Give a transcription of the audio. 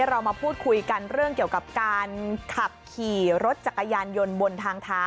เรามาพูดคุยกันเรื่องเกี่ยวกับการขับขี่รถจักรยานยนต์บนทางเท้า